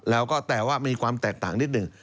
แล้วก็แต่ว่ามีความแตกต่างนิดหนึ่ง